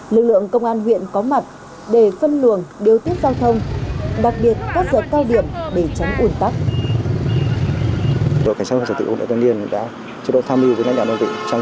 lực lượng công an huyện có mặt để phân luận điều tiết giao thông